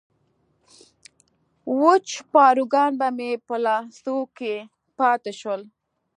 وچ پاروګان به مې په لاسو کې پاتې شول.